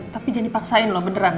tapi jangan dipaksain loh beneran